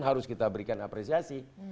harus kita berikan apresiasi